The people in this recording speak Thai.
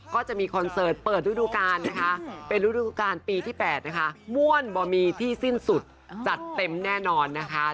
ก็จะมีคอนเสิร์ตเปิดฤดูกาลนะคะเป็นฤดูการปีที่๘นะคะม่วนบ่มีที่สิ้นสุดจัดเต็มแน่นอนนะคะ